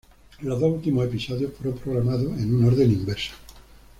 Los dos últimos episodios fueron programados en un orden inverso.